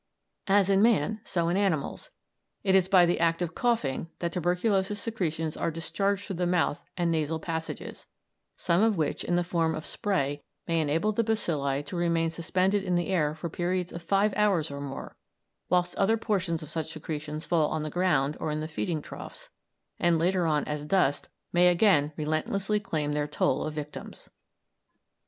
As in man, so in animals it is by the act of coughing that tuberculous secretions are discharged through the mouth and nasal passages, some of which in the form of spray may enable the bacilli to remain suspended in the air for periods of five hours or more, whilst other portions of such secretions fall on the ground or in the feeding troughs, and later on, as dust, may again relentlessly claim their toll of victims.